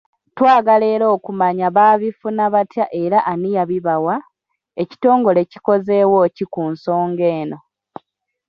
Twagala era okumanya baabifuna batya era ani yabibawa, ekitongole kikozeewo ki ku nsonga eno.